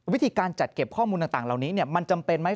วิธีการจัดเก็บข้อมูลต่างเหล่านี้มันจำเป็นไหม